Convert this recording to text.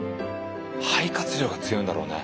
肺活量が強いんだろうね。